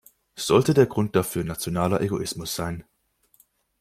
Sollte der Grund dafür nationaler Egoismus sein?